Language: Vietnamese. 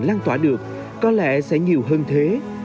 lan tỏa được có lẽ sẽ nhiều hơn thế